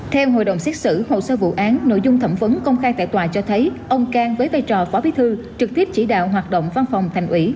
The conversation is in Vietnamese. theo hội đồng xét xử hồ sơ vụ án nội dung thẩm vấn công khai tại tòa cho thấy ông cang với vai trò phó bí thư trực tiếp chỉ đạo hoạt động văn phòng thành ủy